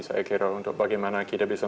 saya kira untuk bagaimana kita bisa